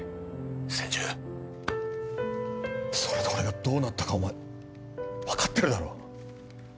千住それで俺がどうなったかお前分かってるだろ